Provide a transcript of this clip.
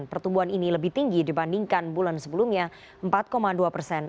pertumbuhan ini lebih tinggi dibandingkan bulan sebelumnya empat dua persen